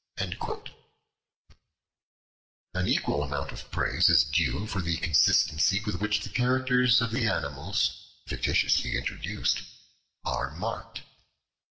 An equal amount of praise is due for the consistency with which the characters of the animals, fictitiously introduced, are marked.